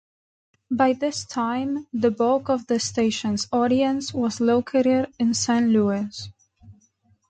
By this time, the bulk of the station's audience was located in Saint Louis.